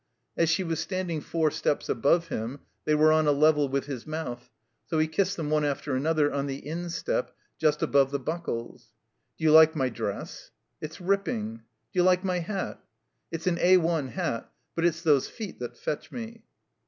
As she was standing fotu" steps above him they were on a level with his mouth; so he kissed them one after another, on the instep, just above the buckles. Do you like my dress?" It's ripping." Do you like my hat?" It's an A I hat; but it's those feet that fetch me."